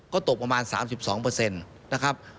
ก็ตกประมาณ๓๒นะครับ